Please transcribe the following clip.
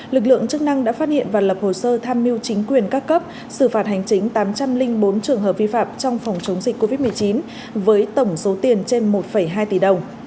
lực lượng chức năng đã phát hiện và lập hồ sơ tham mưu chính quyền các cấp xử phạt hành chính tám trăm linh bốn trường hợp vi phạm trong phòng chống dịch covid một mươi chín với tổng số tiền trên một hai tỷ đồng